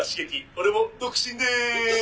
俺も独身でーす」